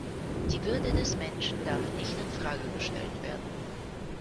Die Würde des Menschen darf nicht in Frage gestellt werden.